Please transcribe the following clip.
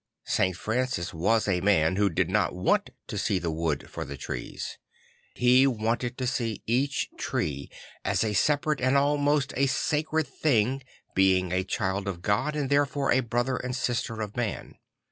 St. Francis was a man who did not want to see the wood for the trees. He wanted to see each tree as a separate and almost a sacred thing, being a child of God and therefore a brother or sister of man.